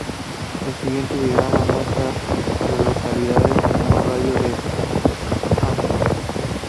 El siguiente diagrama muestra a las localidades en un radio de de Hampton.